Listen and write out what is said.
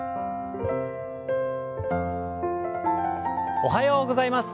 おはようございます。